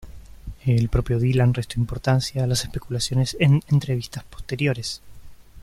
El propio Dylan restó importancia a las especulaciones en entrevistas posteriores.